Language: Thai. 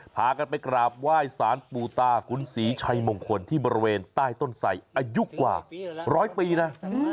พากันไปกราบไหว้สารปู่ตากุญศรีชัยมงคลที่บริเวณใต้ต้นไสอายุกว่าร้อยปีนะ